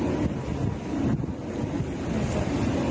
ด้วยแบบแจ